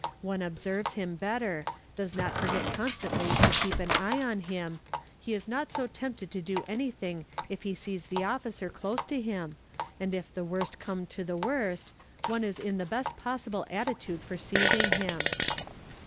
One observes him better, does not forget constantly to keep an eye on him, he is not so tempted to do anything if he sees the officer close to him, and if the worst come to the worst, one is in the best possible attitude for seizing him.